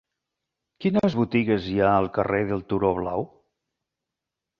Quines botigues hi ha al carrer del Turó Blau?